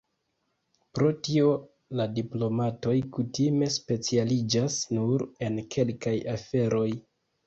Pro tio, la diplomatoj kutime specialiĝas nur en kelkaj aferoj.